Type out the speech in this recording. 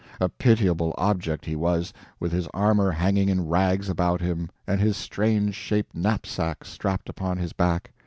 A pitiable object he was, with his armor hanging in rags about him, and his strange shaped knapsack strapped upon his back.